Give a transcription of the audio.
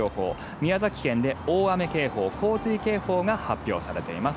宮崎県で大雨警報、洪水警報が発表されています。